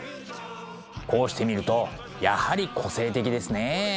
こうして見るとやはり個性的ですね。